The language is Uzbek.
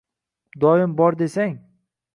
Doim bor desang.